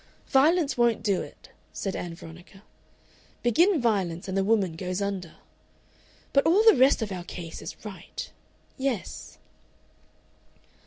"Violence won't do it," said Ann Veronica. "Begin violence, and the woman goes under.... "But all the rest of our case is right.... Yes."